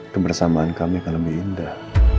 kebersamaan kami akan lebih indah